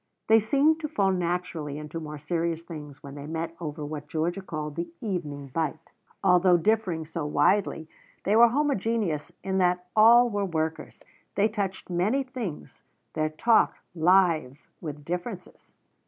They seemed to fall naturally into more serious things when they met over what Georgia called the evening bite. Although differing so widely, they were homogeneous in that all were workers; they touched many things, their talk live with differences.